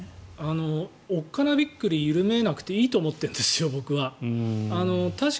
おっかなびっくり緩めなくていいと思っているんですよ、僕は。